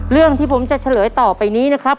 เรื่องที่ผมจะเฉลยต่อไปนี้นะครับ